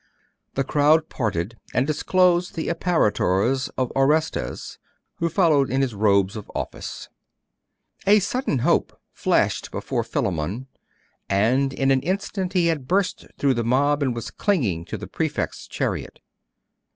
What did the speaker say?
The crowd parted, and disclosed the apparitors of Orestes, who followed in his robes of office. A sudden hope flashed before Philammon, and in an instant he had burst through the mob, and was clinging to the Prefect's chariot.